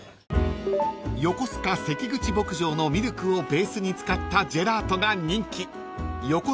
［よこすか関口牧場のミルクをベースに使ったジェラートが人気］